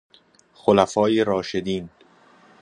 خلفای راشدین